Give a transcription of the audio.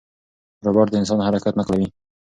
روباټ د انسان حرکت نقلوي.